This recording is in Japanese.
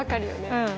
うん。